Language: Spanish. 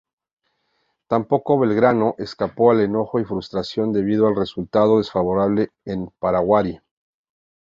Tampoco Belgrano escapó al enojo y frustración debido al resultado desfavorable en Paraguarí.